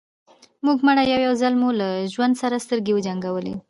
موږ مړه يو يو ځل مو له ژوند سره سترګې وجنګوئ.